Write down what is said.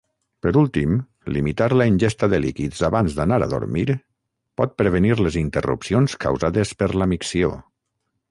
Per últim, limitar la ingesta de líquids abans d'anar a dormir pot prevenir les interrupcions causades per la micció.